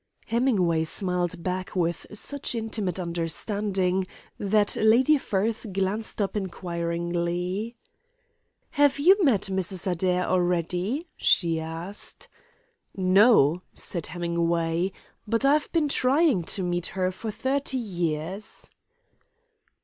Hemingway smiled back with such intimate understanding that Lady Firth glanced up inquiringly. "Have you met Mrs. Adair already?" she asked. "No," said Hemingway, "but I have been trying to meet her for thirty years."